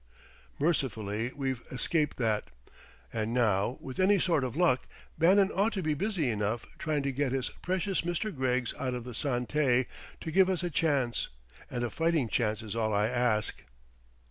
"Mercifully, we've escaped that. And now, with any sort of luck, Bannon ought to be busy enough, trying to get his precious Mr. Greggs out of the Santé, to give us a chance. And a fighting chance is all I ask."